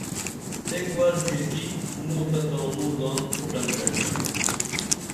ایک ور پھرکی موں تہ تانوں زان کُٹن گٹِنا